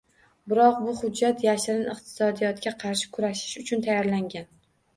Biroq, bu hujjat yashirin iqtisodiyotga qarshi kurashish uchun tayyorlangan